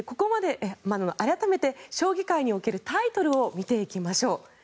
改めて将棋界におけるタイトルを見ていきましょう。